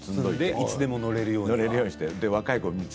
いつでも乗れるようにして。